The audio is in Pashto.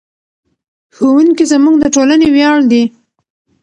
ښوونکي زموږ د ټولنې ویاړ دي.